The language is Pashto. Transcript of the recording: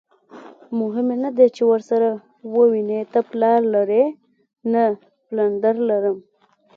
مهمه نه ده چې ورسره ووینې، ته پلار لرې؟ نه، پلندر لرم.